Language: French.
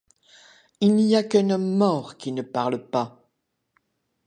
Il n’y a qu’un homme mort qui ne parle pas !